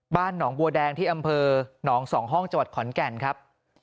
บ้านหนองบัวแดงที่อำเภอหนอง๒ห้องจังหวัดขอนแก่นครับ